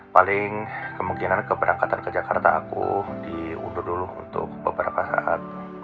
paling kemungkinan keberangkatan ke jakarta aku diundur dulu untuk beberapa saat